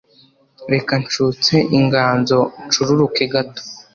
Reka ncutse inganzo ncururuke gato